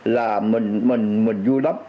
là mình vui lắm